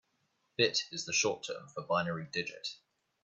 Bit is the short term for binary digit.